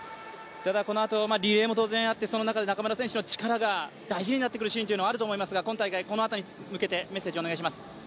このあとリレーもあって中村選手の力が大事になってくるシーンがあると思うんですが今大会、このあとに向けてメッセージお願いします。